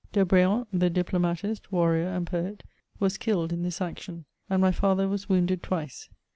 De Br^han, the diplomatist, warrior, and poet, was killed in this action ; and my father was wounded twice.